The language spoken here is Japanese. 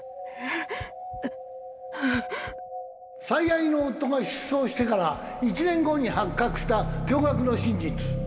最愛の夫が失踪してから１年後に発覚した驚愕の真実。